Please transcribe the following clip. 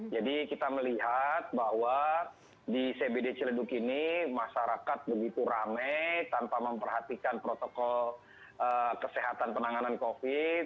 jadi kita melihat bahwa di cbd ciledug ini masyarakat begitu rame tanpa memperhatikan protokol kesehatan penanganan covid sembilan belas